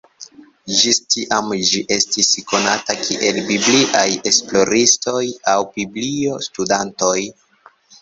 Ĝis tiam ĝi estis konata kiel "Bibliaj esploristoj" aŭ "Biblio-studantoj".